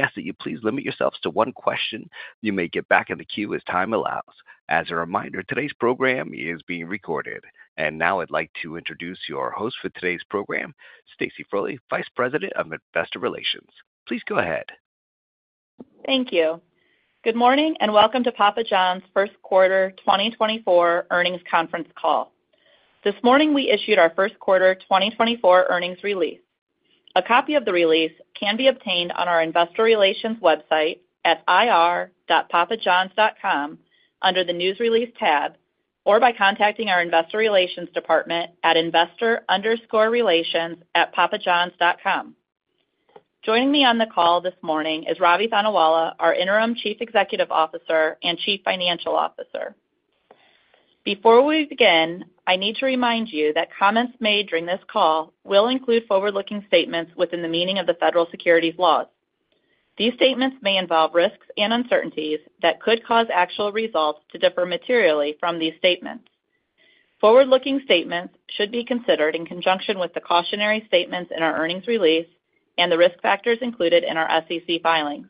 ask that you please limit yourselves to one question. You may get back in the queue as time allows. As a reminder, today's program is being recorded. Now I'd like to introduce your host for today's program, Stacy Frole, Vice President of Investor Relations. Please go ahead. Thank you. Good morning and welcome to Papa John's first quarter 2024 earnings conference call. This morning we issued our First Quarter 2024 Earnings Release. A copy of the release can be obtained on our Investor Relations website at ir.papajohns.com under the News Release tab, or by contacting our Investor Relations Department at investor_relations@papajohns.com. Joining me on the call this morning is Ravi Thanawala, our Interim Chief Executive Officer and Chief Financial Officer. Before we begin, I need to remind you that comments made during this call will include forward-looking statements within the meaning of the federal securities laws. These statements may involve risks and uncertainties that could cause actual results to differ materially from these statements. Forward-looking statements should be considered in conjunction with the cautionary statements in our earnings release and the risk factors included in our SEC filings.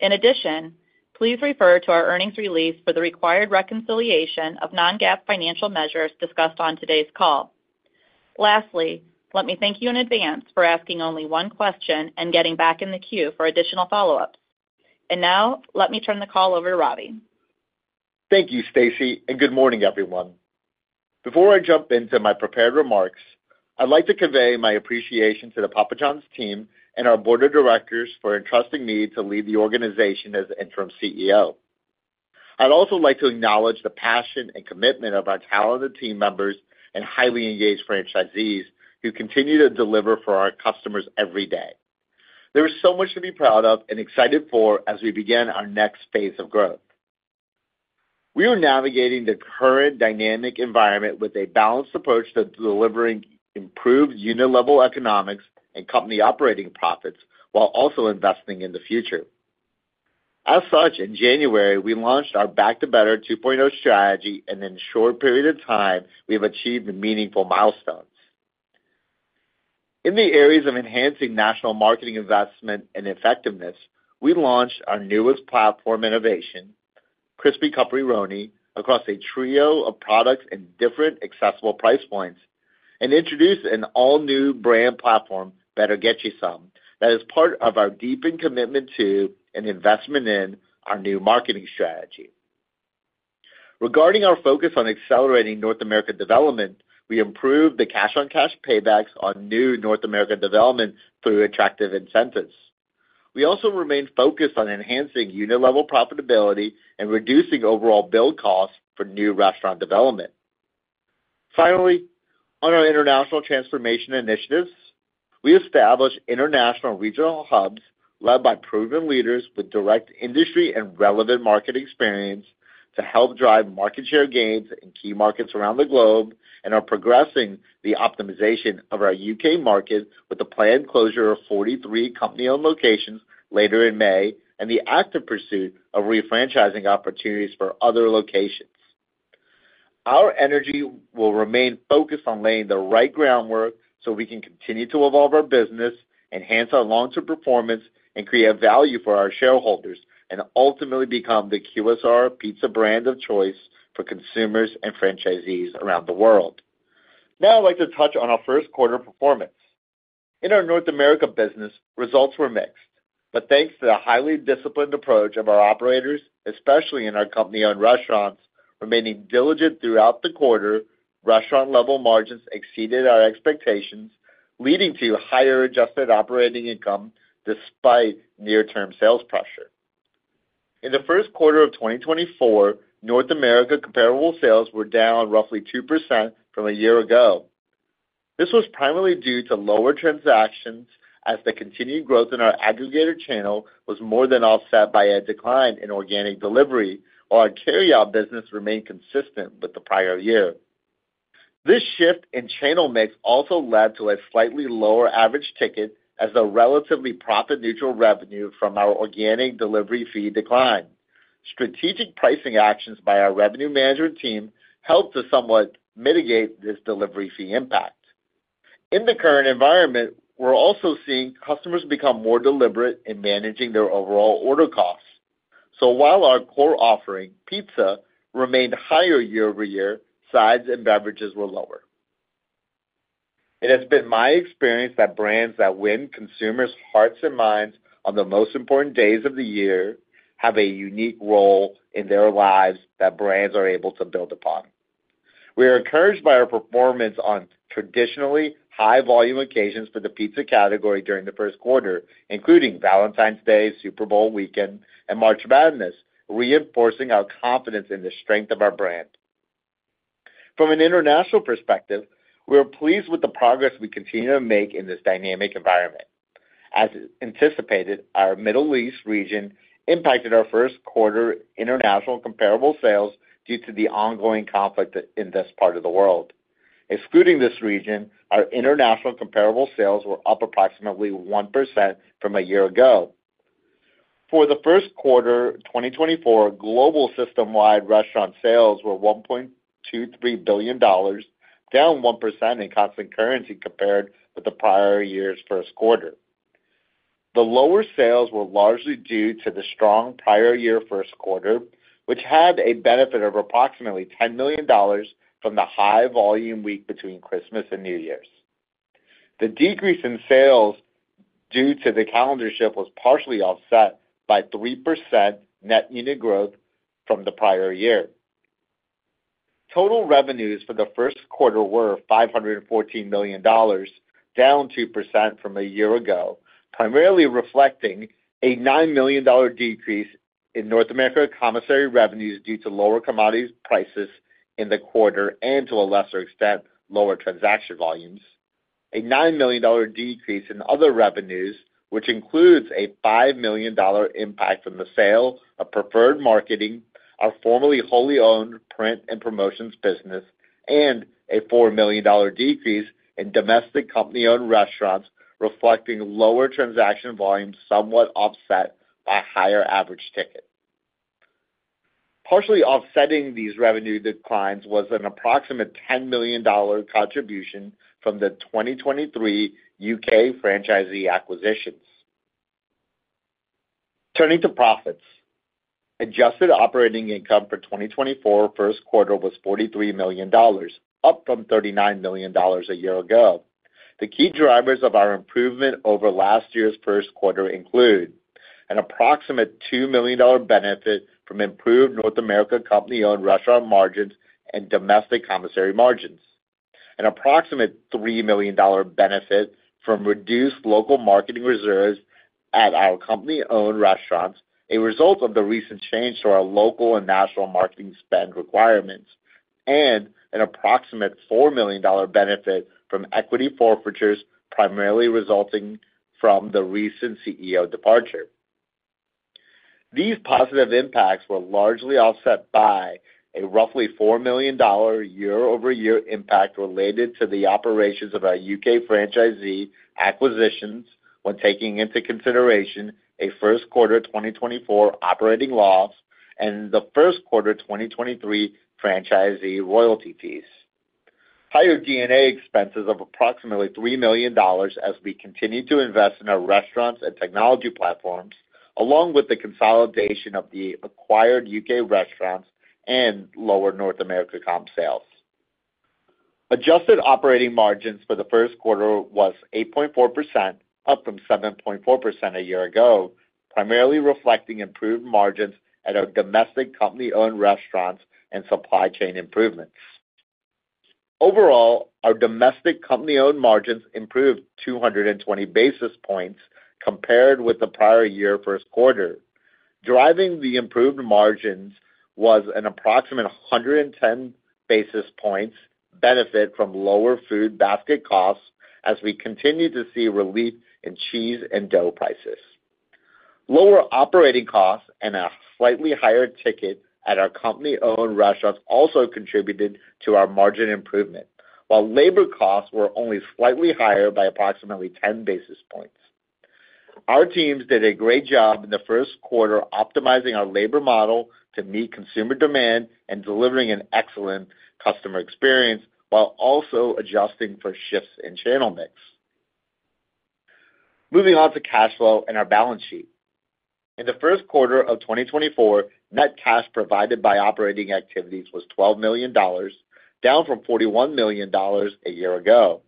In addition, please refer to our earnings release for the required reconciliation of non-GAAP financial measures discussed on today's call. Lastly, let me thank you in advance for asking only one question and getting back in the queue for additional follow-ups. Now let me turn the call over to Ravi. Thank you, Stacy, and good morning, everyone. Before I jump into my prepared remarks, I'd like to convey my appreciation to the Papa John's team and our Board of Directors for entrusting me to lead the organization as the Interim CEO. I'd also like to acknowledge the passion and commitment of our talented team members and highly engaged franchisees who continue to deliver for our customers every day. There is so much to be proud of and excited for as we begin our next phase of growth. We are navigating the current dynamic environment with a balanced approach to delivering improved unit-level economics and company operating profits while also investing in the future. As such, in January we launched our Back to Better 2.0 strategy and in a short period of time we have achieved meaningful milestones. In the areas of enhancing national marketing investment and effectiveness, we launched our newest platform innovation, Crispy Cuppy 'Roni, across a trio of products in different accessible price points, and introduced an all-new brand platform, Better Get You Some, that is part of our deepened commitment to and investment in our new marketing strategy. Regarding our focus on accelerating North America development, we improved the cash-on-cash paybacks on new North America development through attractive incentives. We also remain focused on enhancing unit-level profitability and reducing overall build costs for new restaurant development. Finally, on our international transformation initiatives, we established international regional hubs led by proven leaders with direct industry and relevant market experience to help drive market share gains in key markets around the globe and are progressing the optimization of our U.K. market with a planned closure of 43 company-owned locations later in May and the active pursuit of refranchising opportunities for other locations. Our energy will remain focused on laying the right groundwork so we can continue to evolve our business, enhance our long-term performance, and create value for our shareholders, and ultimately become the QSR pizza brand of choice for consumers and franchisees around the world. Now I'd like to touch on our first quarter performance. In our North America business, results were mixed, but thanks to the highly disciplined approach of our operators, especially in our company-owned restaurants, remaining diligent throughout the quarter, restaurant-level margins exceeded our expectations, leading to higher adjusted operating income despite near-term sales pressure. In the first quarter of 2024, North America comparable sales were down roughly 2% from a year ago. This was primarily due to lower transactions as the continued growth in our aggregator channel was more than offset by a decline in organic delivery while our carry-out business remained consistent with the prior year. This shift in channel mix also led to a slightly lower average ticket as the relatively profit-neutral revenue from our organic delivery fee declined. Strategic pricing actions by our revenue management team helped to somewhat mitigate this delivery fee impact. In the current environment, we're also seeing customers become more deliberate in managing their overall order costs. So while our core offering, pizza, remained higher year-over-year, sides and beverages were lower. It has been my experience that brands that win consumers' hearts and minds on the most important days of the year have a unique role in their lives that brands are able to build upon. We are encouraged by our performance on traditionally high-volume occasions for the pizza category during the first quarter, including Valentine's Day, Super Bowl weekend, and March Madness, reinforcing our confidence in the strength of our brand. From an international perspective, we are pleased with the progress we continue to make in this dynamic environment. As anticipated, our Middle East region impacted our first quarter international comparable sales due to the ongoing conflict in this part of the world. Excluding this region, our international comparable sales were up approximately 1% from a year ago. For the first quarter 2024, global system-wide restaurant sales were $1.23 billion, down 1% in constant currency compared with the prior year's first quarter. The lower sales were largely due to the strong prior year first quarter, which had a benefit of approximately $10 million from the high-volume week between Christmas and New Year's. The decrease in sales due to the calendar shift was partially offset by 3% net unit growth from the prior year. Total revenues for the first quarter were $514 million, down 2% from a year ago, primarily reflecting a $9 million decrease in North America commissary revenues due to lower commodities prices in the quarter and, to a lesser extent, lower transaction volumes, a $9 million decrease in other revenues, which includes a $5 million impact from the sale of Preferred Marketing, our formerly wholly owned print and promotions business, and a $4 million decrease in domestic company-owned restaurants, reflecting lower transaction volumes somewhat offset by higher average ticket. Partially offsetting these revenue declines was an approximate $10 million contribution from the 2023 U.K. franchisee acquisitions. Turning to profits, adjusted operating income for 2024 first quarter was $43 million, up from $39 million a year ago. The key drivers of our improvement over last year's first quarter include an approximate $2 million benefit from improved North America company-owned restaurant margins and domestic commissary margins, an approximate $3 million benefit from reduced local marketing reserves at our company-owned restaurants, a result of the recent change to our local and national marketing spend requirements, and an approximate $4 million benefit from equity forfeitures, primarily resulting from the recent CEO departure. These positive impacts were largely offset by a roughly $4 million year-over-year impact related to the operations of our U.K. franchisee acquisitions when taking into consideration a first quarter 2024 operating loss and the first quarter 2023 franchisee royalty fees, higher D&A expenses of approximately $3 million as we continue to invest in our restaurants and technology platforms, along with the consolidation of the acquired U.K. restaurants and lower North America comp sales. Adjusted operating margins for the first quarter was 8.4%, up from 7.4% a year ago, primarily reflecting improved margins at our domestic company-owned restaurants and supply chain improvements. Overall, our domestic company-owned margins improved 220 basis points compared with the prior year first quarter. Driving the improved margins was an approximate 110 basis points benefit from lower food basket costs as we continue to see relief in cheese and dough prices. Lower operating costs and a slightly higher ticket at our company-owned restaurants also contributed to our margin improvement, while labor costs were only slightly higher by approximately 10 basis points. Our teams did a great job in the first quarter optimizing our labor model to meet consumer demand and delivering an excellent customer experience while also adjusting for shifts in channel mix. Moving on to cash flow and our balance sheet. In the first quarter of 2024, net cash provided by operating activities was $12 million, down from $41 million a year ago.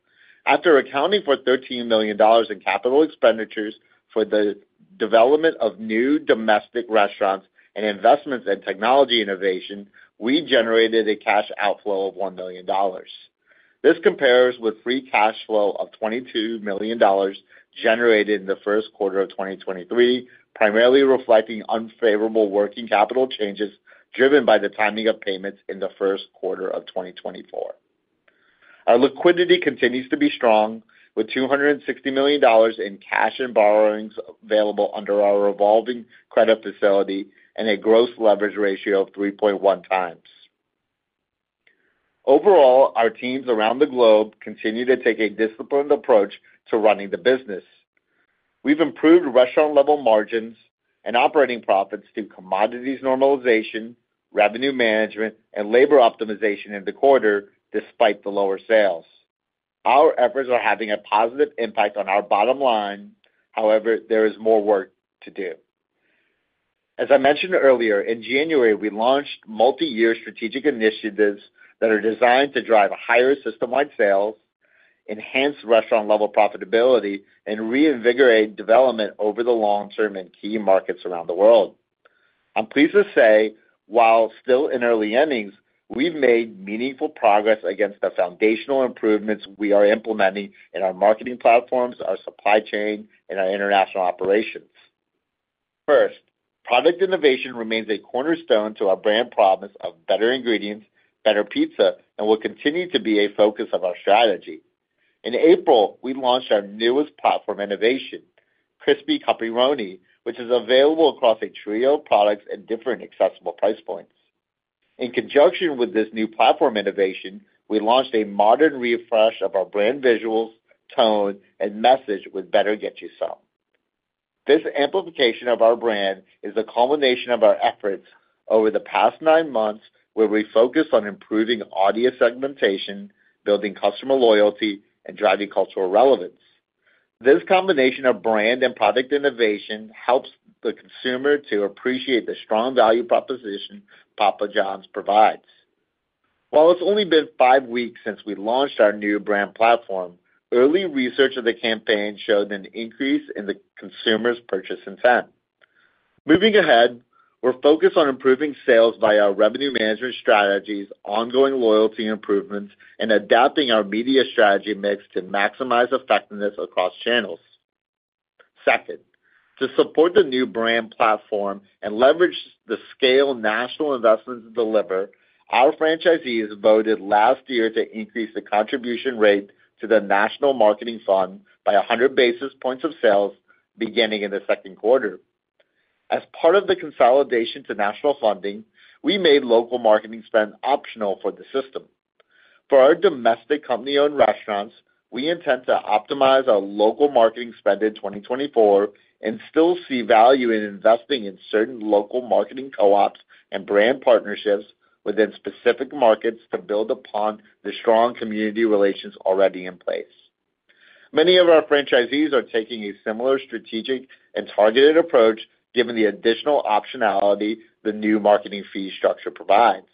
After accounting for $13 million in capital expenditures for the development of new domestic restaurants and investments in technology innovation, we generated a cash outflow of $1 million. This compares with free cash flow of $22 million generated in the first quarter of 2023, primarily reflecting unfavorable working capital changes driven by the timing of payments in the first quarter of 2024. Our liquidity continues to be strong, with $260 million in cash and borrowings available under our evolving credit facility and a gross leverage ratio of 3.1x. Overall, our teams around the globe continue to take a disciplined approach to running the business. We've improved restaurant-level margins and operating profits through commodities normalization, revenue management, and labor optimization in the quarter despite the lower sales. Our efforts are having a positive impact on our bottom line, however, there is more work to do. As I mentioned earlier, in January we launched multi-year strategic initiatives that are designed to drive higher system-wide sales, enhance restaurant-level profitability, and reinvigorate development over the long term in key markets around the world. I'm pleased to say, while still in early innings, we've made meaningful progress against the foundational improvements we are implementing in our marketing platforms, our supply chain, and our international operations. 1st, product innovation remains a cornerstone to our brand promise of better ingredients, better pizza, and will continue to be a focus of our strategy. In April, we launched our newest platform innovation, Crispy Cuppy 'Roni, which is available across a trio of products at different accessible price points. In conjunction with this new platform innovation, we launched a modern refresh of our brand visuals, tone, and message with Better Get You Some. This amplification of our brand is the culmination of our efforts over the past nine months where we focused on improving audience segmentation, building customer loyalty, and driving cultural relevance. This combination of brand and product innovation helps the consumer to appreciate the strong value proposition Papa John's provides. While it's only been five weeks since we launched our new brand platform, early research of the campaign showed an increase in the consumer's purchase intent. Moving ahead, we're focused on improving sales via our revenue management strategies, ongoing loyalty improvements, and adapting our media strategy mix to maximize effectiveness across channels. 2nd, to support the new brand platform and leverage the scale national investments deliver, our franchisees voted last year to increase the contribution rate to the national marketing fund by 100 basis points of sales beginning in the second quarter. As part of the consolidation to national funding, we made local marketing spend optional for the system. For our domestic company-owned restaurants, we intend to optimize our local marketing spend in 2024 and still see value in investing in certain local marketing co-ops and brand partnerships within specific markets to build upon the strong community relations already in place. Many of our franchisees are taking a similar strategic and targeted approach given the additional optionality the new marketing fee structure provides.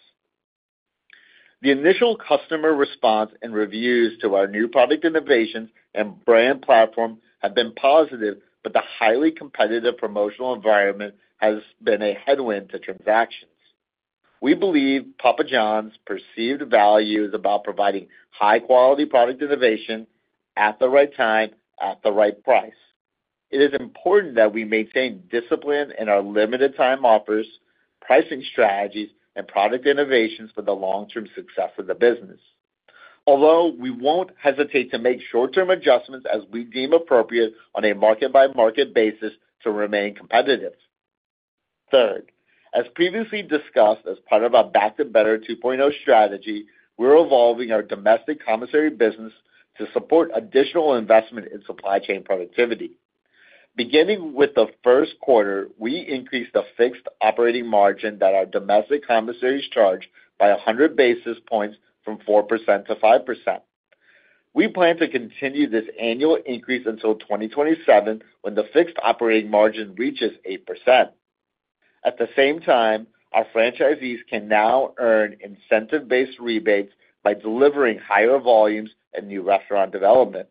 The initial customer response and reviews to our new product innovations and brand platform have been positive, but the highly competitive promotional environment has been a headwind to transactions. We believe Papa John's perceived value is about providing high-quality product innovation at the right time, at the right price. It is important that we maintain discipline in our limited-time offers, pricing strategies, and product innovations for the long-term success of the business, although we won't hesitate to make short-term adjustments as we deem appropriate on a market-by-market basis to remain competitive. 3rd, as previously discussed as part of our Back to Better 2.0 strategy, we're evolving our domestic commissary business to support additional investment in supply chain productivity. Beginning with the first quarter, we increased the fixed operating margin that our domestic commissaries charge by 100 basis points from 4%-5%. We plan to continue this annual increase until 2027 when the fixed operating margin reaches 8%. At the same time, our franchisees can now earn incentive-based rebates by delivering higher volumes and new restaurant development.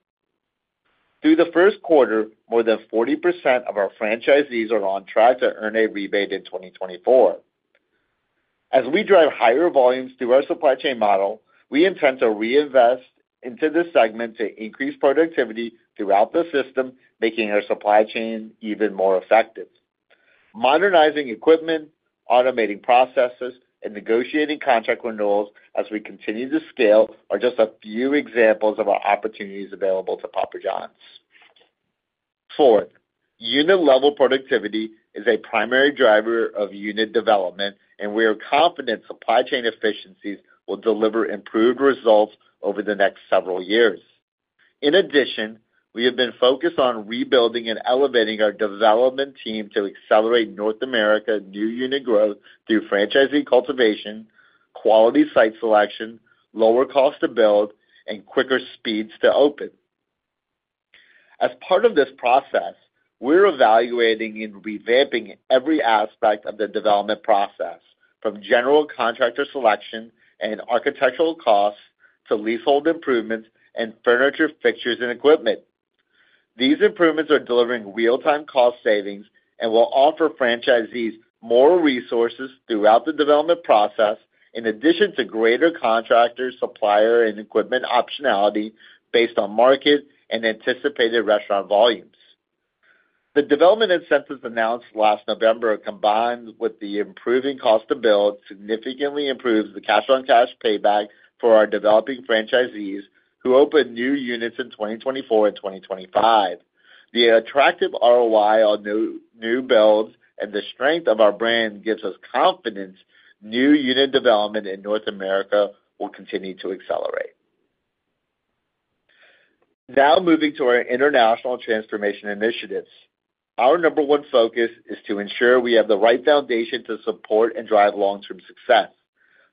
Through the first quarter, more than 40% of our franchisees are on track to earn a rebate in 2024. As we drive higher volumes through our supply chain model, we intend to reinvest into this segment to increase productivity throughout the system, making our supply chain even more effective. Modernizing equipment, automating processes, and negotiating contract renewals as we continue to scale are just a few examples of our opportunities available to Papa John's. 4th, unit-level productivity is a primary driver of unit development, and we are confident supply chain efficiencies will deliver improved results over the next several years. In addition, we have been focused on rebuilding and elevating our development team to accelerate North America new unit growth through franchisee cultivation, quality site selection, lower cost to build, and quicker speeds to open. As part of this process, we're evaluating and revamping every aspect of the development process, from general contractor selection and architectural costs to leasehold improvements and furniture, fixtures, and equipment. These improvements are delivering real-time cost savings and will offer franchisees more resources throughout the development process, in addition to greater contractor, supplier, and equipment optionality based on market and anticipated restaurant volumes. The development incentives announced last November, combined with the improving cost to build, significantly improves the cash-on-cash payback for our developing franchisees who open new units in 2024 and 2025. The attractive ROI on new builds and the strength of our brand gives us confidence new unit development in North America will continue to accelerate. Now moving to our international transformation initiatives. Our number one focus is to ensure we have the right foundation to support and drive long-term success.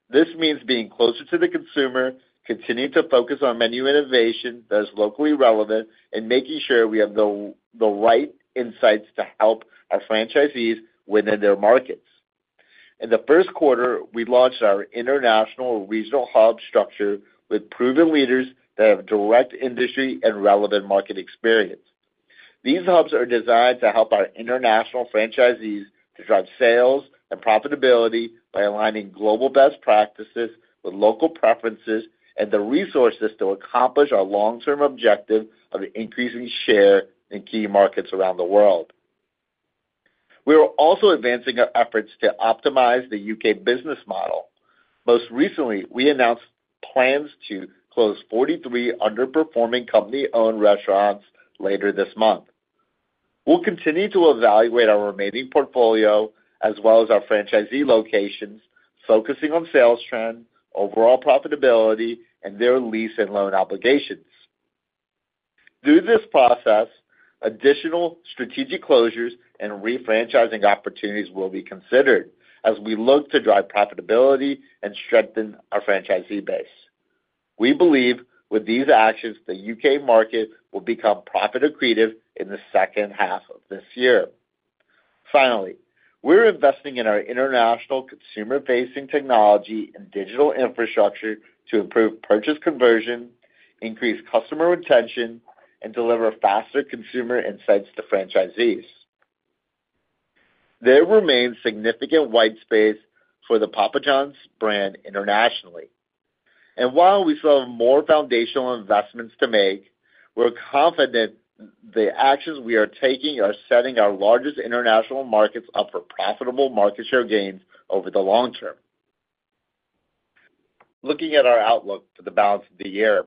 This means being closer to the consumer, continuing to focus on menu innovation that is locally relevant, and making sure we have the right insights to help our franchisees within their markets. In the first quarter, we launched our international regional hub structure with proven leaders that have direct industry and relevant market experience. These hubs are designed to help our international franchisees to drive sales and profitability by aligning global best practices with local preferences and the resources to accomplish our long-term objective of increasing share in key markets around the world. We are also advancing our efforts to optimize the U.K. business model. Most recently, we announced plans to close 43 underperforming company-owned restaurants later this month. We'll continue to evaluate our remaining portfolio as well as our franchisee locations, focusing on sales trend, overall profitability, and their lease and loan obligations. Through this process, additional strategic closures and refranchising opportunities will be considered as we look to drive profitability and strengthen our franchisee base. We believe with these actions, the U.K. market will become profit-accretive in the second half of this year. Finally, we're investing in our international consumer-facing technology and digital infrastructure to improve purchase conversion, increase customer retention, and deliver faster consumer insights to franchisees. There remains significant white space for the Papa John's brand internationally. And while we still have more foundational investments to make, we're confident the actions we are taking are setting our largest international markets up for profitable market share gains over the long term. Looking at our outlook for the balance of the year,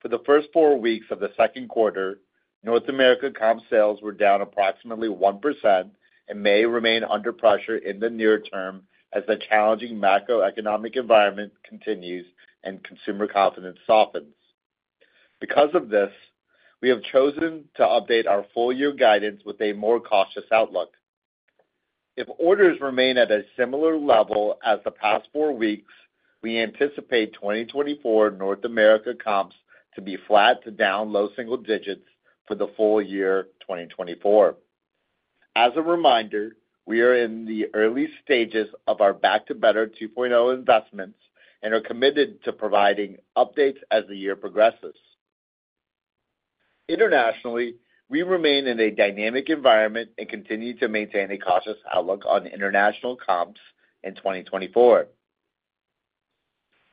for the first 4 weeks of the second quarter, North America comp sales were down approximately 1% and may remain under pressure in the near term as the challenging macroeconomic environment continues and consumer confidence softens. Because of this, we have chosen to update our full-year guidance with a more cautious outlook. If orders remain at a similar level as the past 4 weeks, we anticipate 2024 North America comps to be flat to down low single digits for the full year 2024. As a reminder, we are in the early stages of our Back to Better 2.0 investments and are committed to providing updates as the year progresses. Internationally, we remain in a dynamic environment and continue to maintain a cautious outlook on international comps in 2024.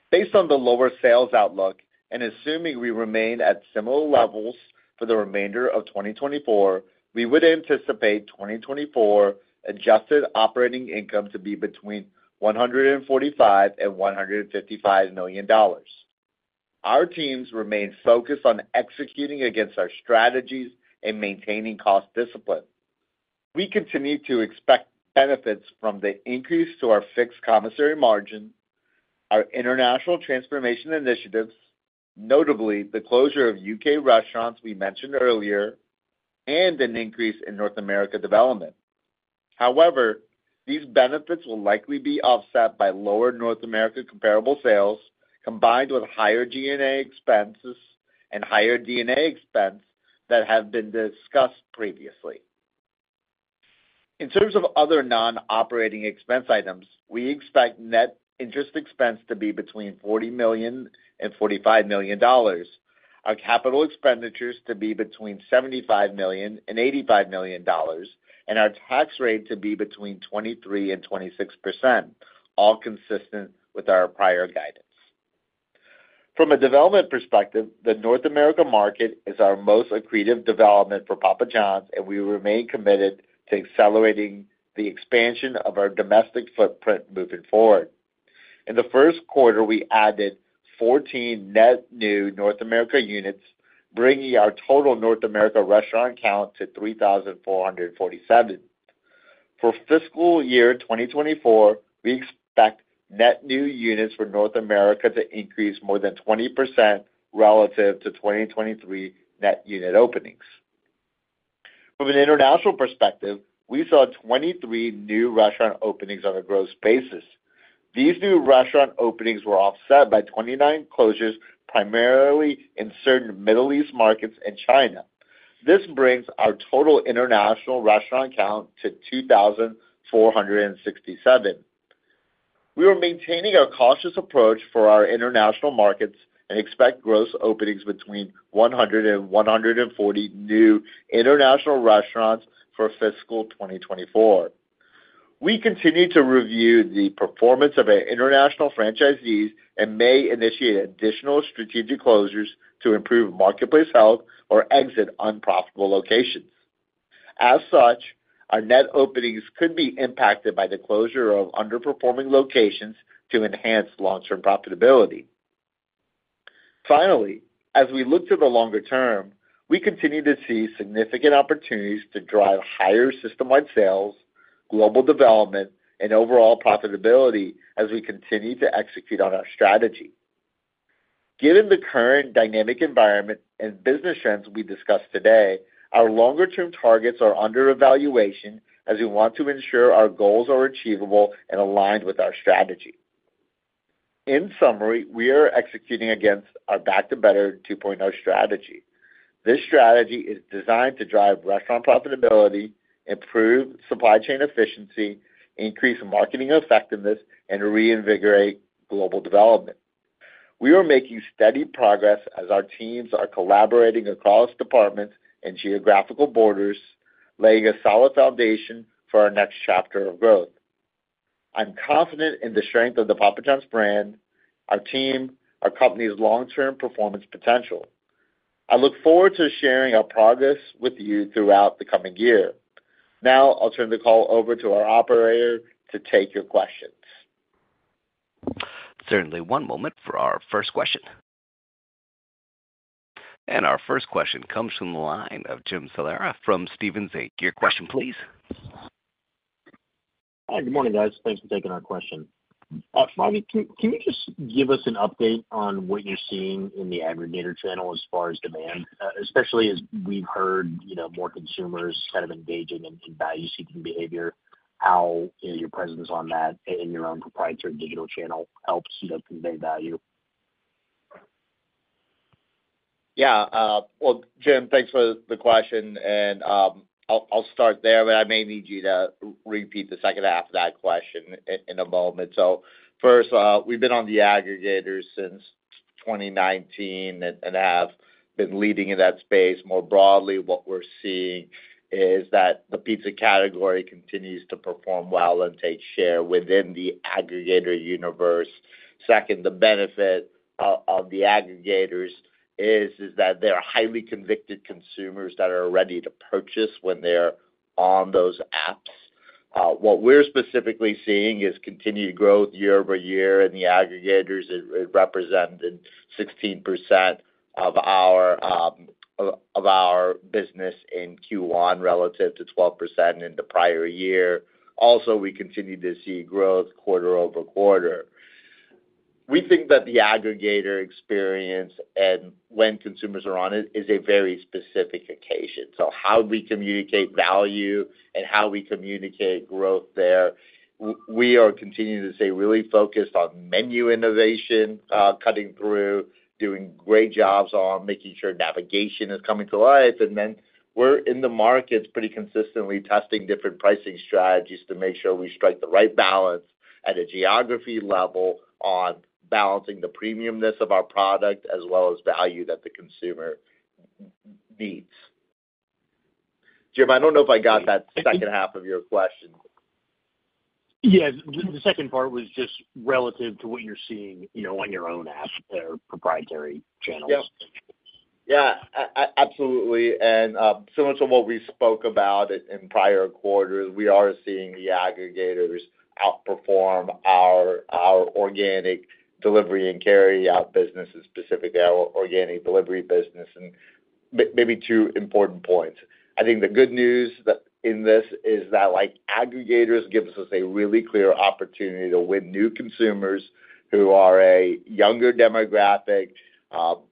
Based on the lower sales outlook and assuming we remain at similar levels for the remainder of 2024, we would anticipate 2024 Adjusted Operating Income to be between $145 million-$155 million. Our teams remain focused on executing against our strategies and maintaining cost discipline. We continue to expect benefits from the increase to our fixed commissary margin, our international transformation initiatives, notably the closure of U.K. restaurants we mentioned earlier, and an increase in North America development. However, these benefits will likely be offset by lower North America comparable sales combined with higher G&A expenses and higher D&A expense that have been discussed previously. In terms of other non-operating expense items, we expect net interest expense to be between $40 million-$45 million, our capital expenditures to be between $75 million-$85 million, and our tax rate to be between 23%-26%, all consistent with our prior guidance. From a development perspective, the North America market is our most accretive development for Papa John's, and we remain committed to accelerating the expansion of our domestic footprint moving forward. In the first quarter, we added 14 net new North America units, bringing our total North America restaurant count to 3,447. For fiscal year 2024, we expect net new units for North America to increase more than 20% relative to 2023 net unit openings. From an international perspective, we saw 23 new restaurant openings on a gross basis. These new restaurant openings were offset by 29 closures, primarily in certain Middle East markets and China. This brings our total international restaurant count to 2,467. We are maintaining our cautious approach for our international markets and expect gross openings between 100 and 140 new international restaurants for fiscal 2024. We continue to review the performance of our international franchisees and may initiate additional strategic closures to improve marketplace health or exit unprofitable locations. As such, our net openings could be impacted by the closure of underperforming locations to enhance long-term profitability. Finally, as we look to the longer term, we continue to see significant opportunities to drive higher system-wide sales, global development, and overall profitability as we continue to execute on our strategy. Given the current dynamic environment and business trends we discussed today, our longer-term targets are under evaluation as we want to ensure our goals are achievable and aligned with our strategy. In summary, we are executing against our Back to Better 2.0 strategy. This strategy is designed to drive restaurant profitability, improve supply chain efficiency, increase marketing effectiveness, and reinvigorate global development. We are making steady progress as our teams are collaborating across departments and geographical borders, laying a solid foundation for our next chapter of growth. I'm confident in the strength of the Papa John's brand, our team, our company's long-term performance potential. I look forward to sharing our progress with you throughout the coming year. Now I'll turn the call over to our operator to take your questions. Certainly. One moment for our first question. Our first question comes from the line of Jim Salera from Stephens Inc. Your question, please. Hi. Good morning, guys. Thanks for taking our question. Finally, can you just give us an update on what you're seeing in the aggregator channel as far as demand, especially as we've heard more consumers kind of engaging in value-seeking behavior, how your presence on that in your own proprietary digital channel helps convey value? Yeah. Well, Jim, thanks for the question. I'll start there, but I may need you to repeat the second half of that question in a moment. So 1st, we've been on the aggregator since 2019 and have been leading in that space. More broadly, what we're seeing is that the pizza category continues to perform well and take share within the aggregator universe. 2nd, the benefit of the aggregators is that they're highly convicted consumers that are ready to purchase when they're on those apps. What we're specifically seeing is continued growth year-over-year in the aggregators. It represented 16% of our business in Q1 relative to 12% in the prior year. Also, we continue to see growth quarter-over-quarter. We think that the aggregator experience and when consumers are on it is a very specific occasion. So, how we communicate value and how we communicate growth there, we are continuing to stay really focused on menu innovation, cutting through, doing great jobs on making sure navigation is coming to life? And then we're in the markets pretty consistently testing different pricing strategies to make sure we strike the right balance at a geography level on balancing the premiumness of our product as well as value that the consumer needs? Jim, I don't know if I got that second half of your question. Yes. The second part was just relative to what you're seeing on your own app, their proprietary channels. Yeah. Yeah. Absolutely. And similar to what we spoke about in prior quarters, we are seeing the aggregators outperform our organic delivery and carry-out businesses, specifically our organic delivery business. And maybe two important points. I think the good news in this is that aggregators give us a really clear opportunity to win new consumers who are a younger demographic,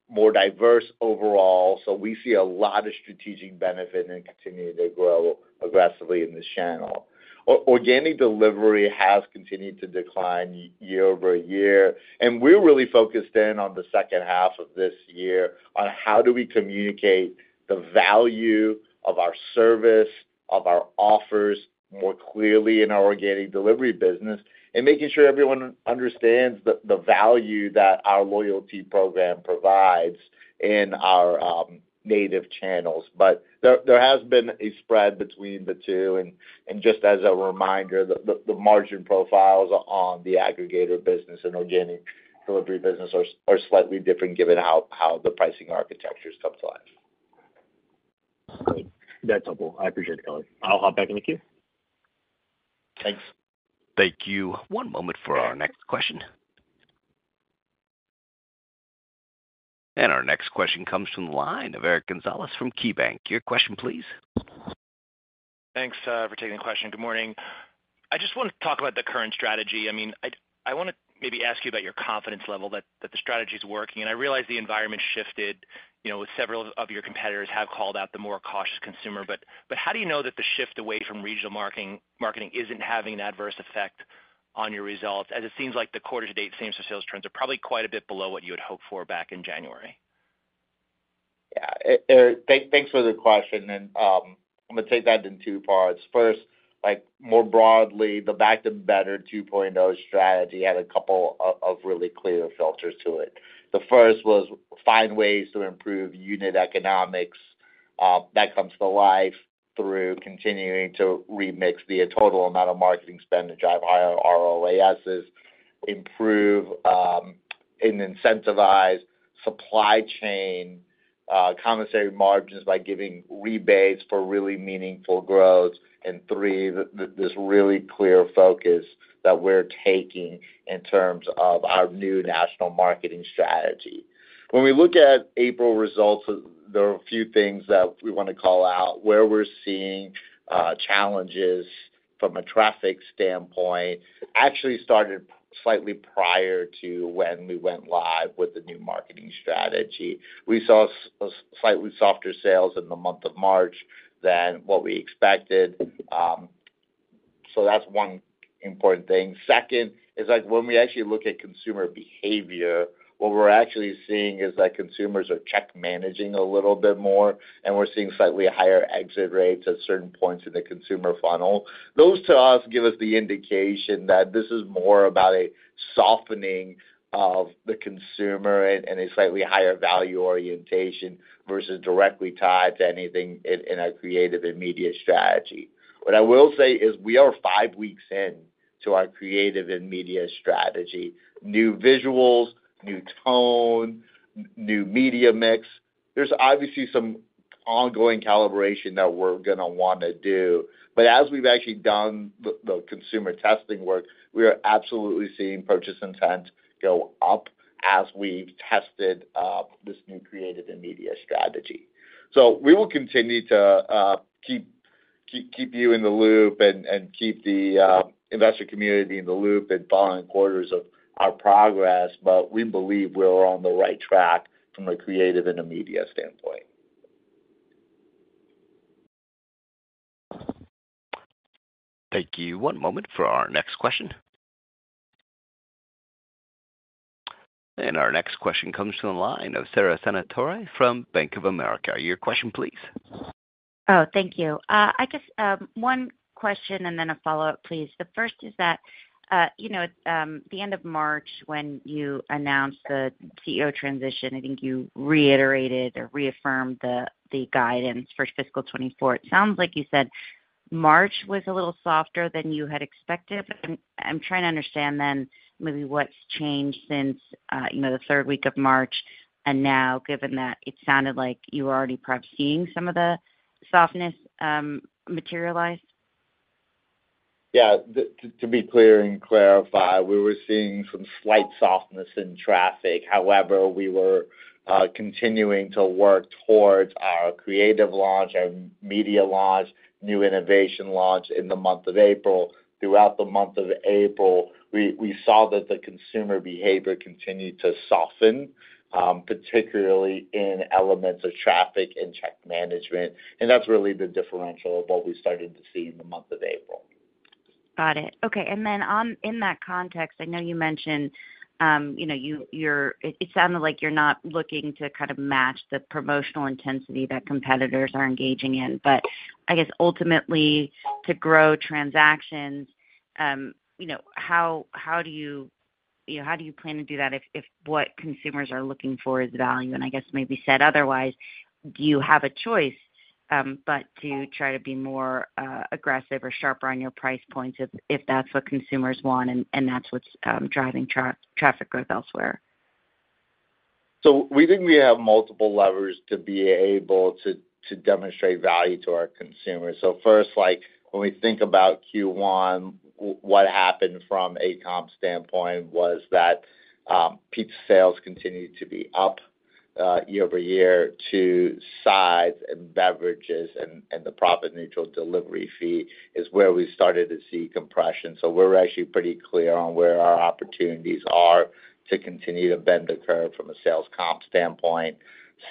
more diverse overall. So we see a lot of strategic benefit and continue to grow aggressively in this channel. Organic delivery has continued to decline year-over-year. And we're really focused in on the second half of this year on how do we communicate the value of our service, of our offers more clearly in our organic delivery business, and making sure everyone understands the value that our loyalty program provides in our native channels. But there has been a spread between the two. Just as a reminder, the margin profiles on the aggregator business and organic delivery business are slightly different given how the pricing architectures come to life. That's helpful. I appreciate it, Ravi. I'll hop back in the queue. Thanks. Thank you. One moment for our next question. Our next question comes from the line of Eric Gonzalez from KeyBanc. Your question, please. Thanks for taking the question. Good morning. I just want to talk about the current strategy. I mean, I want to maybe ask you about your confidence level that the strategy is working. I realize the environment shifted? Several of your competitors have called out the more cautious consumer. How do you know that the shift away from regional marketing isn't having an adverse effect on your results as it seems like the quarter-to-date same-sales trends are probably quite a bit below what you had hoped for back in January? Yeah. Thanks for the question. I'm going to take that in two parts. 1st, more broadly, the Back to Better 2.0 strategy had a couple of really clear filters to it. The first was find ways to improve unit economics that comes to life through continuing to remix the total amount of marketing spend to drive higher ROAS, improve and incentivize supply chain commissary margins by giving rebates for really meaningful growth. And three, this really clear focus that we're taking in terms of our new national marketing strategy. When we look at April results, there are a few things that we want to call out. Where we're seeing challenges from a traffic standpoint actually started slightly prior to when we went live with the new marketing strategy. We saw slightly softer sales in the month of March than what we expected. So that's one important thing. 2nd is when we actually look at consumer behavior, what we're actually seeing is that consumers are check-managing a little bit more, and we're seeing slightly higher exit rates at certain points in the consumer funnel. Those, to us, give us the indication that this is more about a softening of the consumer and a slightly higher value orientation versus directly tied to anything in our creative and media strategy. What I will say is we are five weeks in to our creative and media strategy. New visuals, new tone, new media mix. There's obviously some ongoing calibration that we're going to want to do. But as we've actually done the consumer testing work, we are absolutely seeing purchase intent go up as we've tested this new creative and media strategy. We will continue to keep you in the loop and keep the investor community in the loop in following quarters of our progress. But we believe we're on the right track from a creative and a media standpoint. Thank you. One moment for our next question. Our next question comes from the line of Sara Senatore from Bank of America. Your question, please. Oh, thank you. I guess one question and then a follow-up, please. The first is that at the end of March when you announced the CEO transition, I think you reiterated or reaffirmed the guidance for fiscal 2024. It sounds like you said March was a little softer than you had expected. I'm trying to understand then maybe what's changed since the third week of March? Now, given that, it sounded like you were already perhaps seeing some of the softness materialize. Yeah. To be clear and clarify, we were seeing some slight softness in traffic. However, we were continuing to work towards our creative launch, our media launch, new innovation launch in the month of April. Throughout the month of April, we saw that the consumer behavior continued to soften, particularly in elements of traffic and check management. That's really the differential of what we started to see in the month of April. Got it. Okay. And then in that context, I know you mentioned it sounded like you're not looking to kind of match the promotional intensity that competitors are engaging in. But I guess ultimately, to grow transactions, how do you plan to do that if what consumers are looking for is value? And I guess maybe said otherwise, do you have a choice but to try to be more aggressive or sharper on your price points if that's what consumers want and that's what's driving traffic growth elsewhere? So we think we have multiple levers to be able to demonstrate value to our consumers. So 1st, when we think about Q1, what happened from a comp standpoint was that pizza sales continued to be up year-over-year to sides and beverages and the profit-neutral delivery fee is where we started to see compression. So we're actually pretty clear on where our opportunities are to continue to bend the curve from a sales comp standpoint.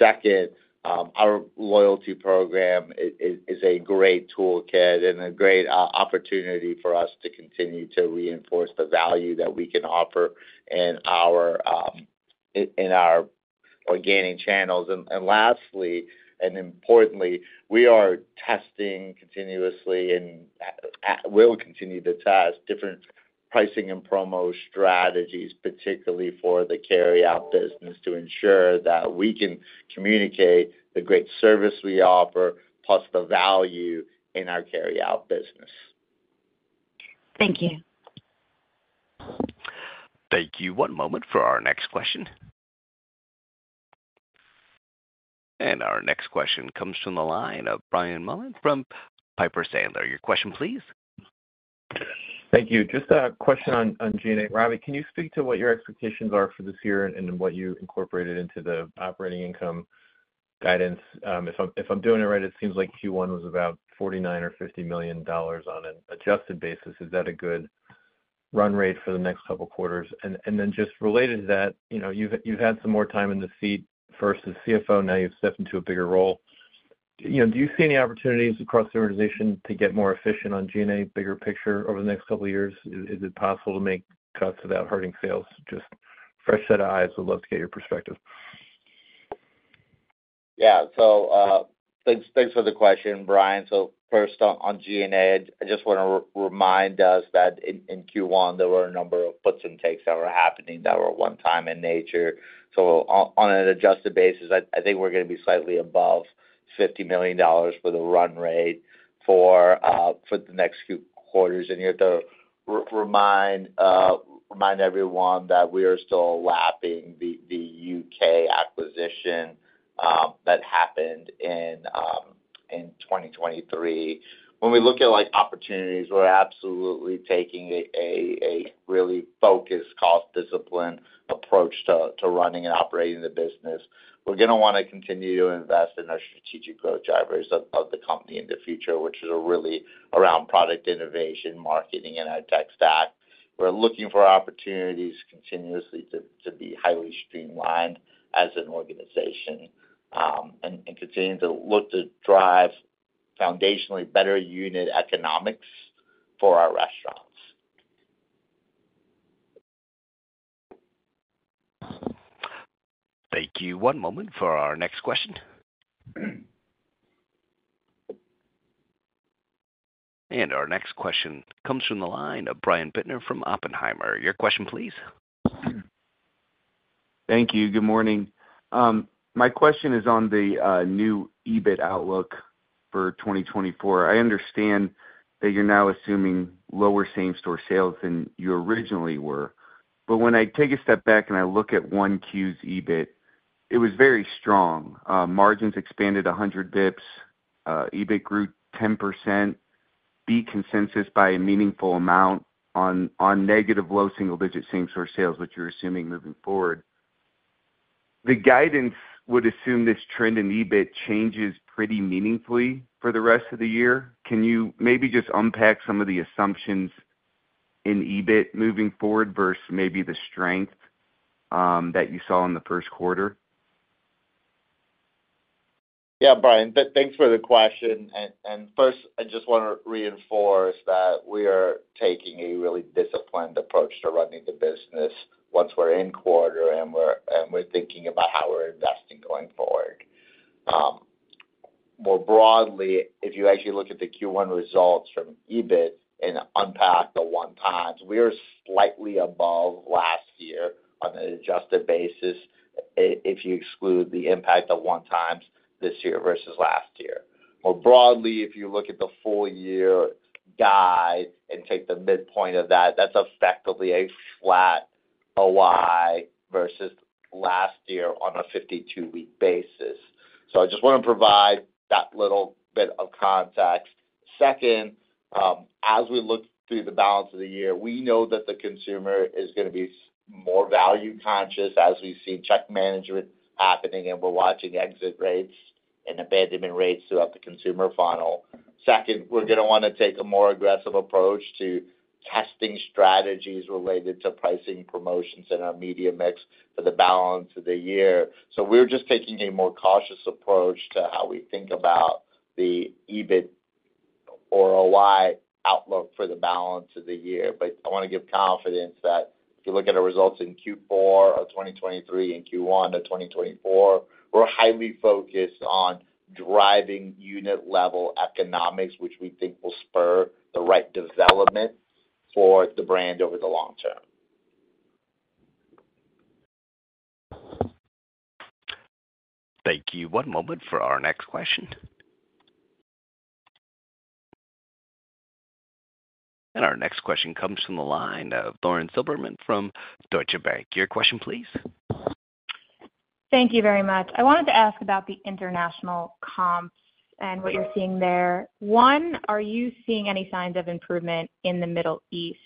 2nd, our loyalty program is a great toolkit and a great opportunity for us to continue to reinforce the value that we can offer in our organic channels. And lastly, and importantly, we are testing continuously and will continue to test different pricing and promo strategies, particularly for the carry-out business, to ensure that we can communicate the great service we offer plus the value in our carry-out business. Thank you. Thank you. One moment for our next question. Our next question comes from the line of Brian Mullan from Piper Sandler. Your question, please. Thank you. Just a question on G&A. Ravi, can you speak to what your expectations are for this year and what you incorporated into the operating income guidance? If I'm doing it right, it seems like Q1 was about $49 million or $50 million on an adjusted basis. Is that a good run rate for the next couple of quarters? And then just related to that, you've had some more time in the seat first as CFO. Now you've stepped into a bigger role. Do you see any opportunities across the organization to get more efficient on G&A, bigger picture over the next couple of years? Is it possible to make cuts without hurting sales? Just fresh set of eyes. We'd love to get your perspective. Yeah. So thanks for the question, Brian. So first, on G&A, I just want to remind us that in Q1, there were a number of puts and takes that were happening that were one-time in nature. So on an adjusted basis, I think we're going to be slightly above $50 million for the run rate for the next few quarters. And you have to remind everyone that we are still lapping the U.K. acquisition that happened in 2023. When we look at opportunities, we're absolutely taking a really focused cost discipline approach to running and operating the business. We're going to want to continue to invest in our strategic growth drivers of the company in the future, which is really around product innovation, marketing, and our tech stack. We're looking for opportunities continuously to be highly streamlined as an organization and continue to look to drive foundationally better unit economics for our restaurants. Thank you. One moment for our next question. Our next question comes from the line of Brian Bittner from Oppenheimer. Your question, please. Thank you. Good morning. My question is on the new EBIT outlook for 2024. I understand that you're now assuming lower same-store sales than you originally were. But when I take a step back and I look at 1Q's EBIT, it was very strong. Margins expanded 100 bps. EBIT grew 10%. Beat consensus by a meaningful amount on negative low single-digit same-store sales, which you're assuming moving forward. The guidance would assume this trend in EBIT changes pretty meaningfully for the rest of the year. Can you maybe just unpack some of the assumptions in EBIT moving forward versus maybe the strength that you saw in the first quarter? Yeah, Brian. Thanks for the question. 1st, I just want to reinforce that we are taking a really disciplined approach to running the business once we're in quarter and we're thinking about how we're investing going forward. More broadly, if you actually look at the Q1 results from EBIT and unpack the one-times, we are slightly above last year on an adjusted basis if you exclude the impact of one-times this year versus last year. More broadly, if you look at the full-year guide and take the midpoint of that, that's effectively a flat OI versus last year on a 52-week basis. I just want to provide that little bit of context. 2nd, as we look through the balance of the year, we know that the consumer is going to be more value-conscious as we've seen check management happening, and we're watching exit rates and abandonment rates throughout the consumer funnel. 2nd, we're going to want to take a more aggressive approach to testing strategies related to pricing, promotions, and our media mix for the balance of the year. So we're just taking a more cautious approach to how we think about the EBIT or OI outlook for the balance of the year. But I want to give confidence that if you look at our results in Q4 of 2023 and Q1 of 2024, we're highly focused on driving unit-level economics, which we think will spur the right development for the brand over the long term. Thank you. One moment for our next question. Our next question comes from the line of Lauren Silberman from Deutsche Bank. Your question, please. Thank you very much. I wanted to ask about the international comps and what you're seeing there. One, are you seeing any signs of improvement in the Middle East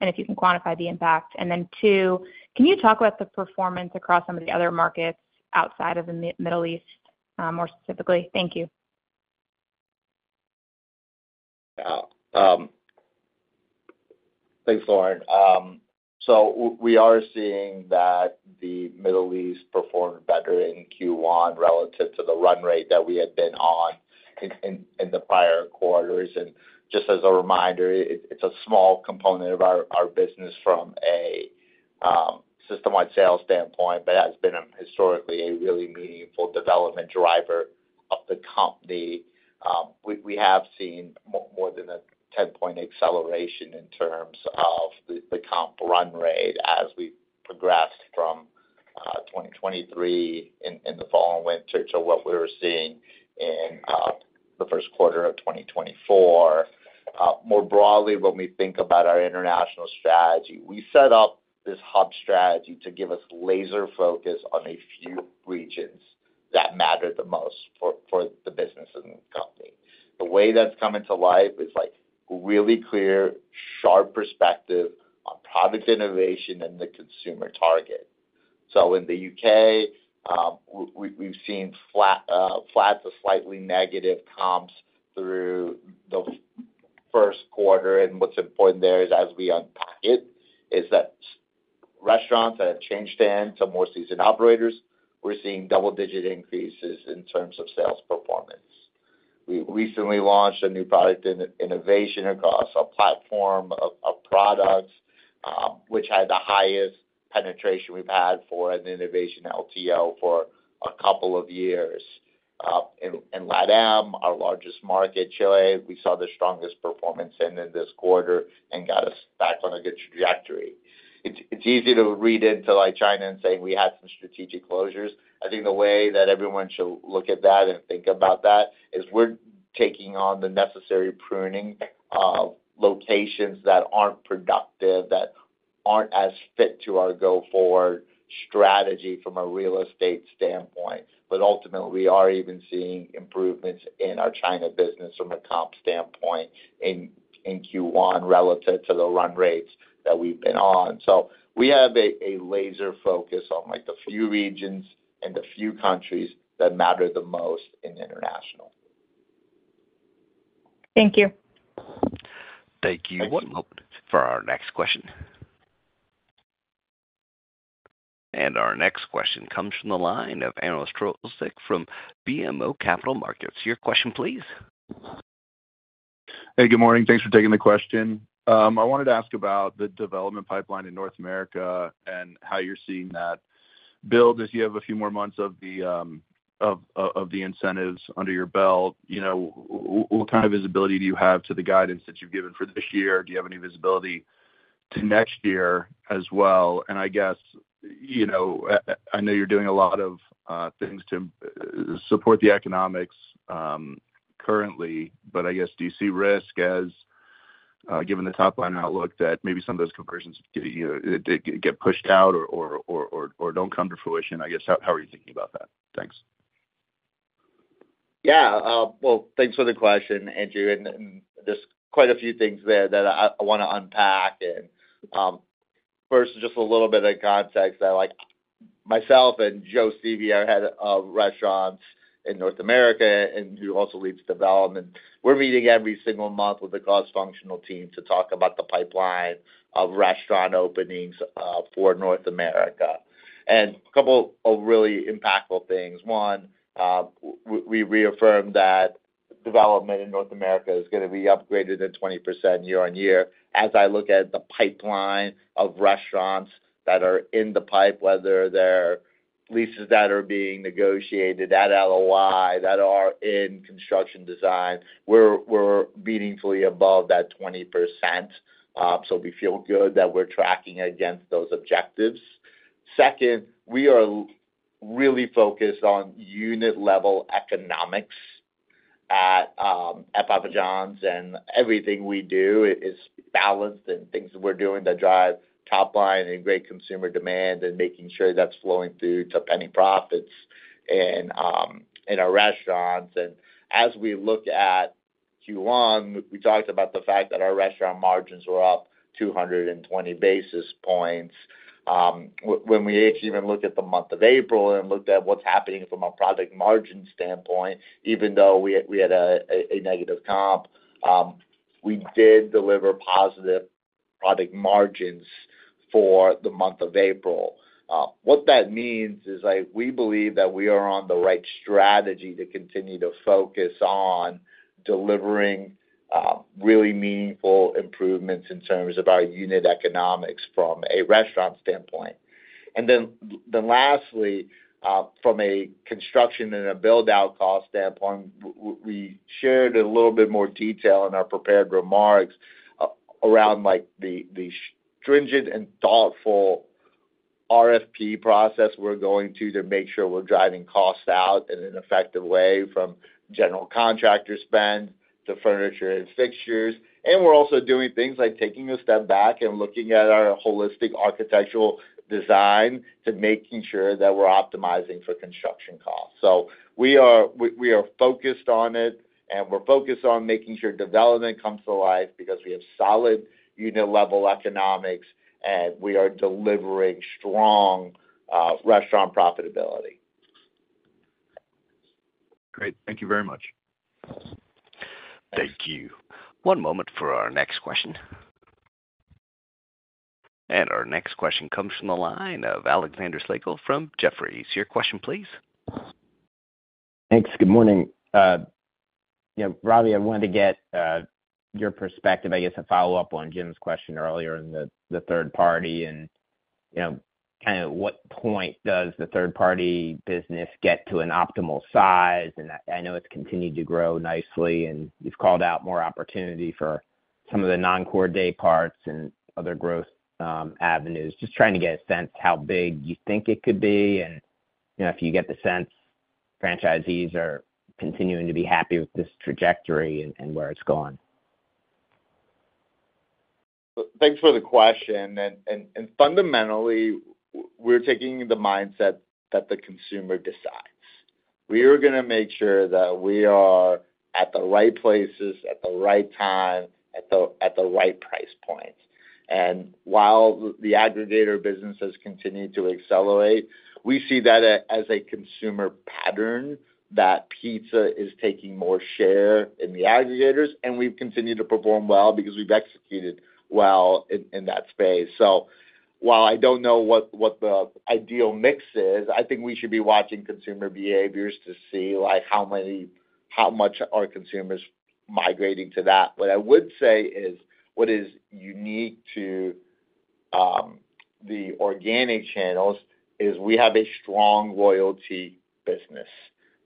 and if you can quantify the impact? And then two, can you talk about the performance across some of the other markets outside of the Middle East more specifically? Thank you. Yeah. Thanks, Lauren. So we are seeing that the Middle East performed better in Q1 relative to the run rate that we had been on in the prior quarters. And just as a reminder, it's a small component of our business from a system-wide sales standpoint, but it has been historically a really meaningful development driver of the company. We have seen more than a 10-point acceleration in terms of the comp run rate as we progressed from 2023 in the fall and winter to what we were seeing in the first quarter of 2024. More broadly, when we think about our international strategy, we set up this hub strategy to give us laser focus on a few regions that mattered the most for the business and company. The way that's come into life is really clear, sharp perspective on product innovation and the consumer target. So in the U.K., we've seen flat sort of slightly negative comps through the first quarter. What's important there is, as we unpack it, that restaurants that have changed into more seasoned operators, we're seeing double-digit increases in terms of sales performance. We recently launched a new product innovation across a platform of products, which had the highest penetration we've had for an innovation LTO for a couple of years. In LATAM, our largest market, Chile, we saw the strongest performance in this quarter and got us back on a good trajectory. It's easy to read into China and saying we had some strategic closures. I think the way that everyone should look at that and think about that is we're taking on the necessary pruning of locations that aren't productive, that aren't as fit to our go-forward strategy from a real estate standpoint. Ultimately, we are even seeing improvements in our China business from a comp standpoint in Q1 relative to the run rates that we've been on. We have a laser focus on the few regions and the few countries that matter the most in international. Thank you. Thank you. One moment for our next question. Our next question comes from the line of Andrew Strelzik from BMO Capital Markets. Your question, please. Hey, good morning. Thanks for taking the question. I wanted to ask about the development pipeline in North America and how you're seeing that build as you have a few more months of the incentives under your belt. What kind of visibility do you have to the guidance that you've given for this year? Do you have any visibility to next year as well? And I guess I know you're doing a lot of things to support the economics currently, but I guess do you see risk given the top-line outlook that maybe some of those conversions get pushed out or don't come to fruition? I guess how are you thinking about that? Thanks. Yeah. Well, thanks for the question, Andrew. There's quite a few things there that I want to unpack. First, just a little bit of context. Myself and Joe Sieve, head of restaurants in North America and who also leads development, we're meeting every single month with the cross-functional team to talk about the pipeline of restaurant openings for North America. A couple of really impactful things. One, we reaffirm that development in North America is going to be upgraded at 20% year-over-year as I look at the pipeline of restaurants that are in the pipe, whether they're leases that are being negotiated at LOI, that are in construction design, we're meaningfully above that 20%. So we feel good that we're tracking against those objectives. Second, we are really focused on unit-level economics at Papa John's. Everything we do is balanced and things that we're doing that drive top-line and great consumer demand and making sure that's flowing through to penny profits in our restaurants. As we look at Q1, we talked about the fact that our restaurant margins were up 220 basis points. When we actually even look at the month of April and looked at what's happening from a product margin standpoint, even though we had a negative comp, we did deliver positive product margins for the month of April. What that means is we believe that we are on the right strategy to continue to focus on delivering really meaningful improvements in terms of our unit economics from a restaurant standpoint. And then lastly, from a construction and a build-out cost standpoint, we shared a little bit more detail in our prepared remarks around the stringent and thoughtful RFP process we're going through to make sure we're driving costs out in an effective way from general contractor spend to furniture and fixtures. And we're also doing things like taking a step back and looking at our holistic architectural design to making sure that we're optimizing for construction costs. So we are focused on it, and we're focused on making sure development comes to life because we have solid unit-level economics, and we are delivering strong restaurant profitability. Great. Thank you very much. Thank you. One moment for our next question. And our next question comes from the line of Alexander Slagle from Jefferies. Your question, please. Thanks. Good morning. Ravi, I wanted to get your perspective, I guess, to follow up on Jim's question earlier in the third party and kind of at what point does the third-party business get to an optimal size? And I know it's continued to grow nicely, and you've called out more opportunity for some of the non-core day parts and other growth avenues. Just trying to get a sense how big you think it could be? And if you get the sense, franchisees are continuing to be happy with this trajectory and where it's going. Thanks for the question. Fundamentally, we're taking the mindset that the consumer decides. We are going to make sure that we are at the right places, at the right time, at the right price points. While the aggregator business has continued to accelerate, we see that as a consumer pattern that pizza is taking more share in the aggregators, and we've continued to perform well because we've executed well in that space. While I don't know what the ideal mix is, I think we should be watching consumer behaviors to see how much are consumers migrating to that. What I would say is what is unique to the organic channels is we have a strong loyalty business.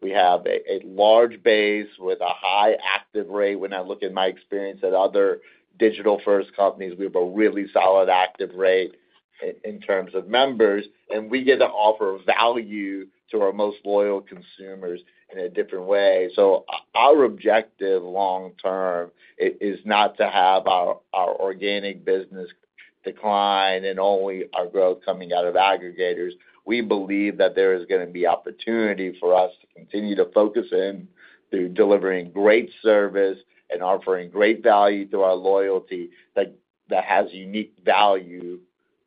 We have a large base with a high active rate. When I look at my experience at other digital-first companies, we have a really solid active rate in terms of members, and we get to offer value to our most loyal consumers in a different way. So our objective long-term is not to have our organic business decline and only our growth coming out of aggregators. We believe that there is going to be opportunity for us to continue to focus in through delivering great service and offering great value through our loyalty that has unique value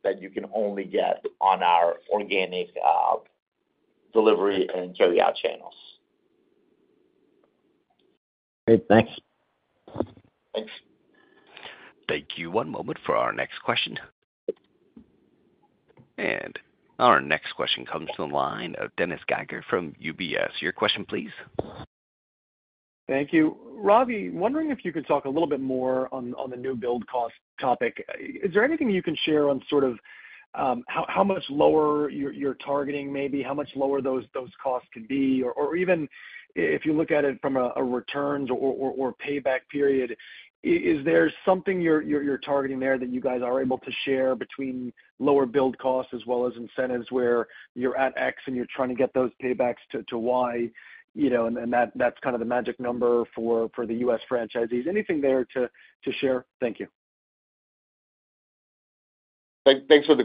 that you can only get on our organic delivery and carry-out channels. Great. Thanks. Thanks. Thank you. One moment for our next question. And our next question comes from the line of Dennis Geiger from UBS. Your question, please. Thank you. Rav, wondering if you could talk a little bit more on the new build cost topic. Is there anything you can share on sort of how much lower you're targeting, maybe how much lower those costs can be? Or even if you look at it from a returns or payback period, is there something you're targeting there that you guys are able to share between lower build costs as well as incentives where you're at X and you're trying to get those paybacks to Y, and that's kind of the magic number for the U.S. franchisees? Anything there to share? Thank you. Thanks for the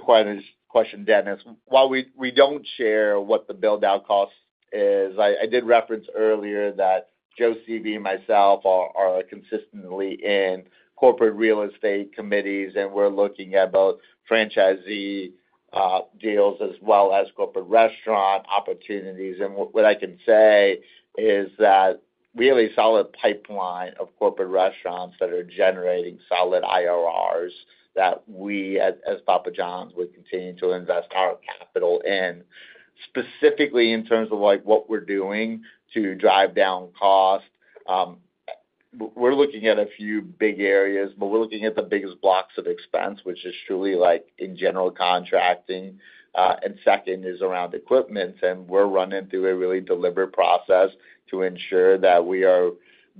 question, Dennis. While we don't share what the build-out cost is, I did reference earlier that Joe Sieve and myself are consistently in corporate real estate committees, and we're looking at both franchisee deals as well as corporate restaurant opportunities. And what I can say is that really solid pipeline of corporate restaurants that are generating solid IRRs that we as Papa John's would continue to invest our capital in, specifically in terms of what we're doing to drive down cost. We're looking at a few big areas, but we're looking at the biggest blocks of expense, which is truly in general contracting. And second is around equipment, and we're running through a really deliberate process to ensure that we are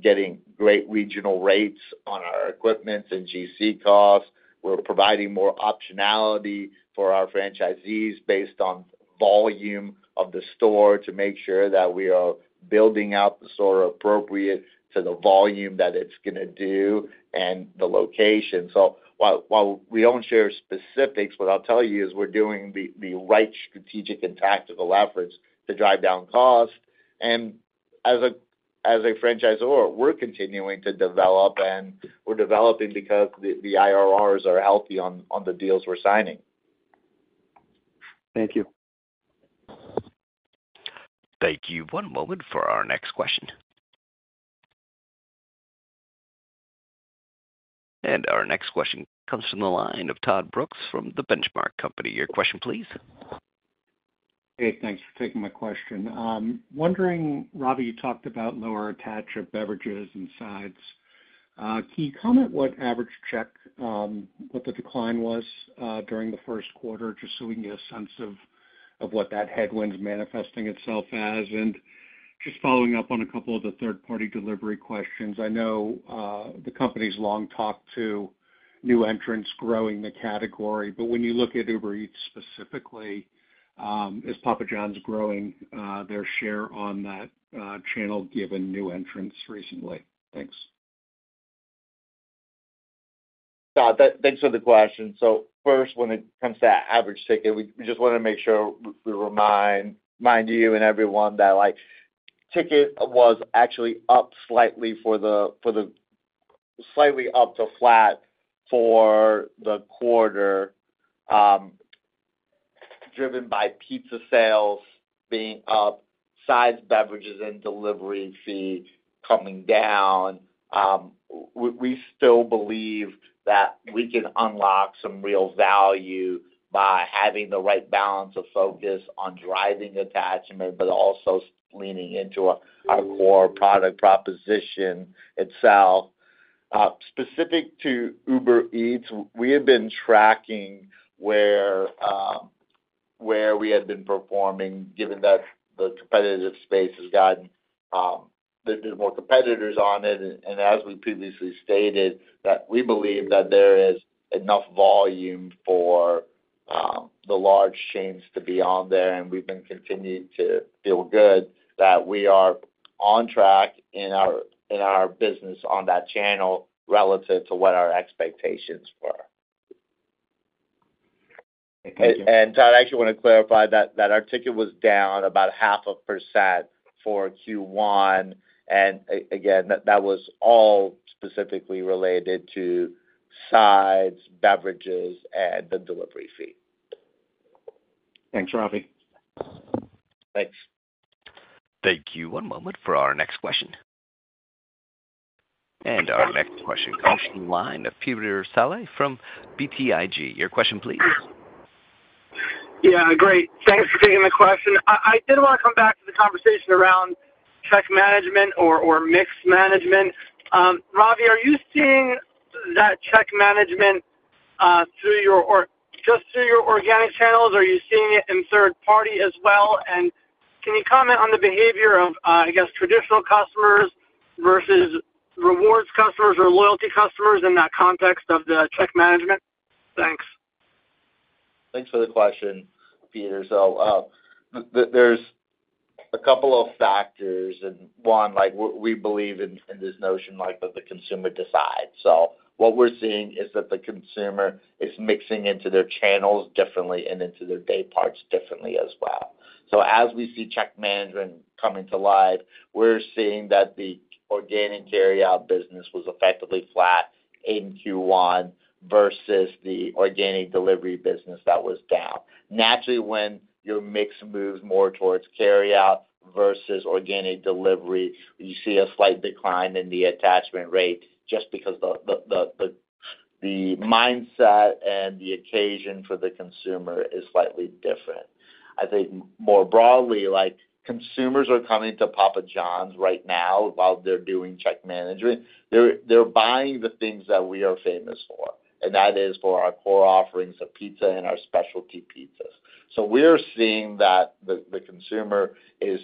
getting great regional rates on our equipment and GC costs. We're providing more optionality for our franchisees based on volume of the store to make sure that we are building out the store appropriate to the volume that it's going to do and the location. While we don't share specifics, what I'll tell you is we're doing the right strategic and tactical efforts to drive down cost. As a franchisor, we're continuing to develop, and we're developing because the IRRs are healthy on the deals we're signing. Thank you. Thank you. One moment for our next question. Our next question comes from the line of Todd Brooks from The Benchmark Company. Your question, please. Hey, thanks for taking my question. Wondering, Rav, you talked about lower attachment beverages and sides. Can you comment what average check, what the decline was during the first quarter, just so we can get a sense of what that headwind's manifesting itself as? And just following up on a couple of the third-party delivery questions, I know the company's long talked to new entrants growing the category. But when you look at Uber Eats specifically, is Papa John's growing their share on that channel given new entrants recently? Thanks. Thanks for the question. So first, when it comes to that average ticket, we just want to make sure we remind you and everyone that ticket was actually up slightly to flat for the quarter, driven by pizza sales being up, sides, beverages and delivery fee coming down. We still believe that we can unlock some real value by having the right balance of focus on driving attachment but also leaning into our core product proposition itself. Specific to Uber Eats, we have been tracking where we had been performing given that the competitive space has gotten, there's more competitors on it. And as we previously stated, we believe that there is enough volume for the large chains to be on there, and we've continued to feel good that we are on track in our business on that channel relative to what our expectations were. Todd, I actually want to clarify that our ticket was down about 0.5% for Q1. Again, that was all specifically related to sides, beverages, and the delivery fee. Thanks, Ravi. Thanks. Thank you. One moment for our next question. Our next question comes from the line of Peter Saleh from BTIG. Your question, please. Yeah. Great. Thanks for taking the question. I did want to come back to the conversation around check management or mixed management. Rav, are you seeing that check management just through your organic channels, or are you seeing it in third-party as well? And can you comment on the behavior of, I guess, traditional customers versus rewards customers or loyalty customers in that context of the check management? Thanks. Thanks for the question, Peter. So there's a couple of factors. One, we believe in this notion that the consumer decides. What we're seeing is that the consumer is mixing into their channels differently and into their day parts differently as well. As we see check management coming to life, we're seeing that the organic carry-out business was effectively flat in Q1 versus the organic delivery business that was down. Naturally, when your mix moves more towards carry-out versus organic delivery, you see a slight decline in the attachment rate just because the mindset and the occasion for the consumer is slightly different. I think more broadly, consumers are coming to Papa John's right now while they're doing check management. They're buying the things that we are famous for, and that is for our core offerings of pizza and our specialty pizzas. So we're seeing that the consumer is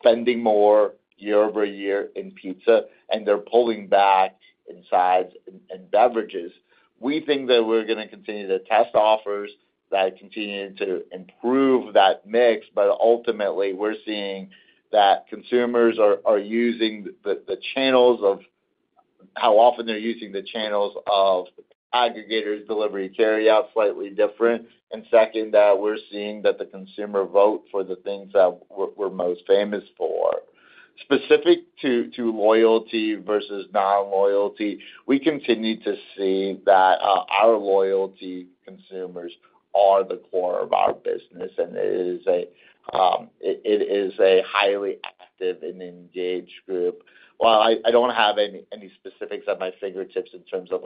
spending more year-over-year in pizza, and they're pulling back in sides and beverages. We think that we're going to continue to test offers that continue to improve that mix. But ultimately, we're seeing that consumers are using the channels of how often they're using the channels of aggregators, delivery, carry-out slightly different. And second, that we're seeing that the consumer vote for the things that we're most famous for. Specific to loyalty versus non-loyalty, we continue to see that our loyalty consumers are the core of our business, and it is a highly active and engaged group. Well, I don't have any specifics at my fingertips in terms of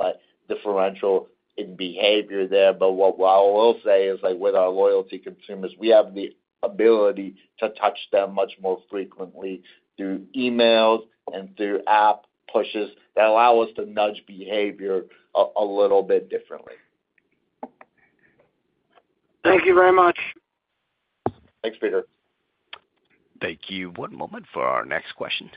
differential in behavior there, but what I will say is with our loyalty consumers, we have the ability to touch them much more frequently through emails and through app pushes that allow us to nudge behavior a little bit differently. Thank you very much. Thanks, Peter. Thank you. One moment for our next question.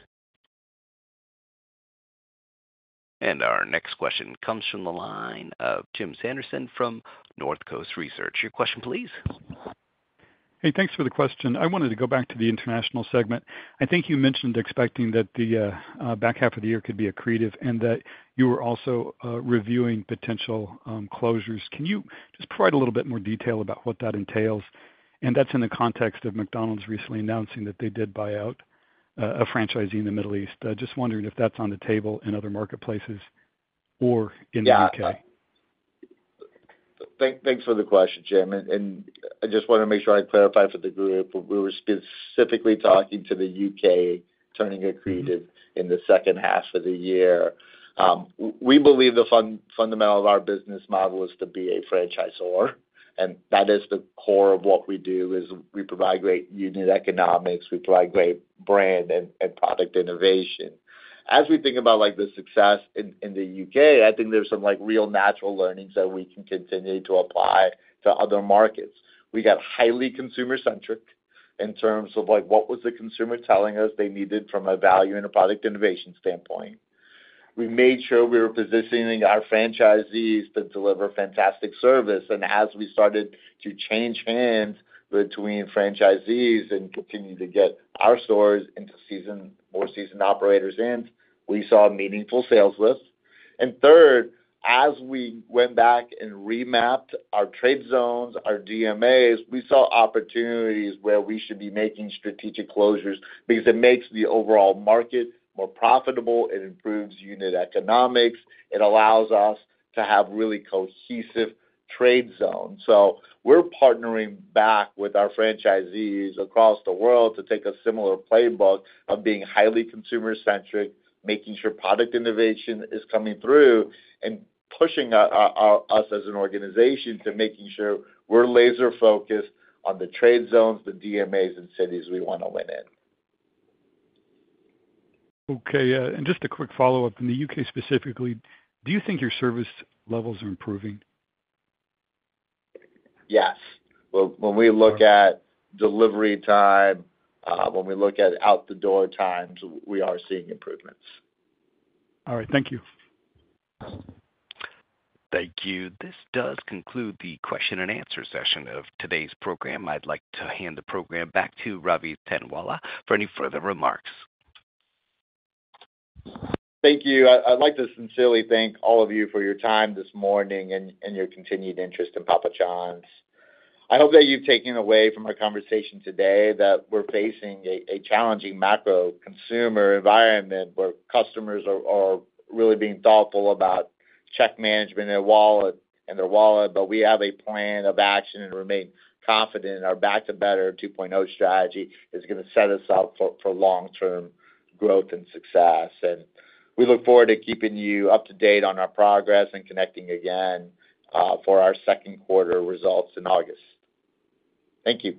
Our next question comes from the line of Jim Sanderson from Northcoast Research. Your question, please. Hey, thanks for the question. I wanted to go back to the international segment. I think you mentioned expecting that the back half of the year could be accretive and that you were also reviewing potential closures. Can you just provide a little bit more detail about what that entails? And that's in the context of McDonald's recently announcing that they did buy out a franchisee in the Middle East. Just wondering if that's on the table in other marketplaces or in the U.K. Yeah. Thanks for the question, Jim. And I just want to make sure I clarify for the group. We were specifically talking to the U.K. turning accretive in the second half of the year. We believe the fundamental of our business model is to be a franchisor, and that is the core of what we do. We provide great unit economics. We provide great brand and product innovation. As we think about the success in the U.K., I think there's some real natural learnings that we can continue to apply to other markets. We got highly consumer-centric in terms of what was the consumer telling us they needed from a value and a product innovation standpoint. We made sure we were positioning our franchisees to deliver fantastic service. As we started to change hands between franchisees and continue to get our stores into more seasoned operators in, we saw meaningful sales lifts. And third, as we went back and remapped our trade zones, our DMAs, we saw opportunities where we should be making strategic closures because it makes the overall market more profitable. It improves unit economics. It allows us to have really cohesive trade zones. So we're partnering back with our franchisees across the world to take a similar playbook of being highly consumer-centric, making sure product innovation is coming through, and pushing us as an organization to making sure we're laser-focused on the trade zones, the DMAs, and cities we want to win in. Okay. And just a quick follow-up. In the U.K. specifically, do you think your service levels are improving? Yes. When we look at delivery time, when we look at out-the-door times, we are seeing improvements. All right. Thank you. Thank you. This does conclude the question and answer session of today's program. I'd like to hand the program back to Ravi Thanawala for any further remarks. Thank you. I'd like to sincerely thank all of you for your time this morning and your continued interest in Papa John's. I hope that you've taken away from our conversation today that we're facing a challenging macro consumer environment where customers are really being thoughtful about check management and their wallet, but we have a plan of action and remain confident in our Back to Better 2.0 strategy is going to set us up for long-term growth and success. We look forward to keeping you up to date on our progress and connecting again for our second quarter results in August. Thank you.